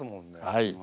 はい。